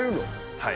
はい。